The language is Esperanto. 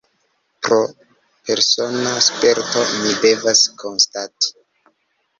Pro persona sperto, mi devas konstati.